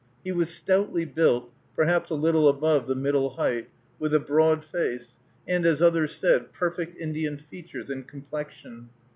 He was stoutly built, perhaps a little above the middle height, with a broad face, and, as others said, perfect Indian features and complexion.